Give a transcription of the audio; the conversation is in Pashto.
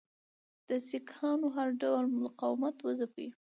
د سیکهانو هر ډول مقاومت وځپي.